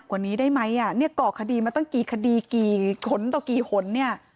อย่างเศร้าแย้งฝรั่งเดียวมาขึ้นตะวันนี้